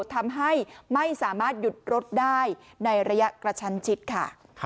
ทำให้ไม่สามารถหยุดรถได้ในระยะกระชันชิดค่ะ